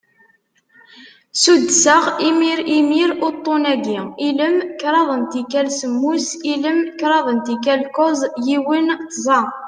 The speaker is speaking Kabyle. Suddseɣ imir imir uṭṭun-agi: ilem, kraḍ n tikal semmus, ilem, kraḍ n tikal kuẓ, yiwen, tẓa.